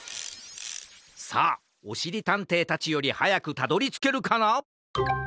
さあおしりたんていたちよりはやくたどりつけるかな？